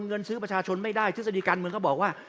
เงินซื้อประชาชนไม่ได้ทฤษฎีการเมืองก็บอกว่า